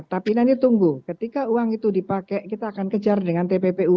tapi nanti tunggu ketika uang itu dipakai kita akan kejar dengan tppu